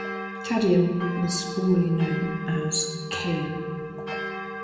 Tadian was formerly known as Kayan.